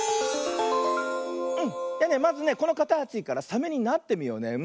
うんまずねこのかたちからサメになってみようね。